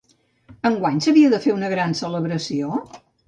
Enguany s'havia de fer una gran celebració?